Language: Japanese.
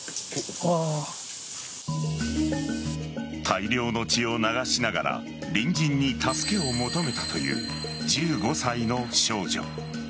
大量の血を流しながら隣人に助けを求めたという１５歳の少女。